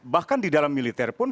bahkan di dalam militer pun